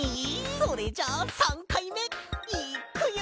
それじゃあ３かいめいっくよ！